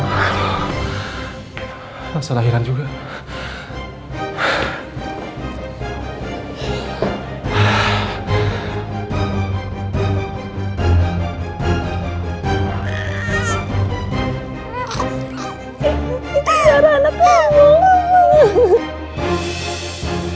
widan kenapa anak saya gak ada suaranya mana suaranya